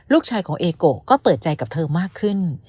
ลูกชายของเอโกะก็เปิดใจกับเธอมากขึ้น